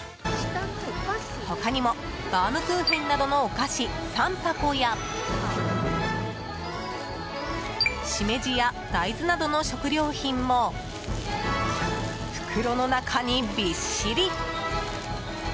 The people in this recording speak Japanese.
他にもバウムクーヘンなどのお菓子３箱やシメジや大豆などの食料品も袋の中にびっしり。